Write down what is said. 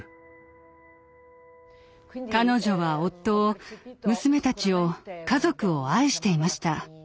彼女は夫を娘たちを家族を愛していました。